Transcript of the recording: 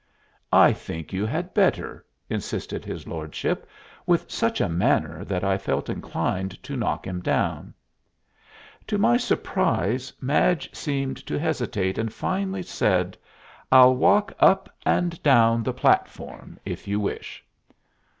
"I think you had better," insisted his lordship, with such a manner that I felt inclined to knock him down. To my surprise, Madge seemed to hesitate, and finally said, "I'll walk up and down the platform, if you wish."